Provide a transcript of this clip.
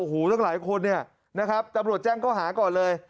โอ้โหตั้งหลายคนเนี่ยนะครับตำรวจแจ้งเขาหาก่อนเลย